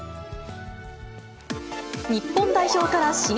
日本代表から刺激。